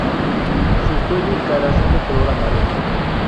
Su cuello y cara son de color amarillo.